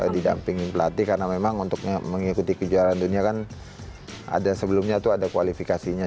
saya sudah tidak ingin dilatih karena memang untuk mengikuti kejuaraan dunia kan ada sebelumnya tuh ada kualifikasinya